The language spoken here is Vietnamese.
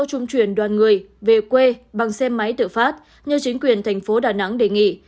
trung truyền đoàn người về quê bằng xe máy tự phát như chính quyền thành phố đà nẵng đề nghị